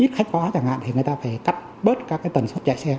ít khách khóa chẳng hạn thì người ta phải cắt bớt các tần số chạy xe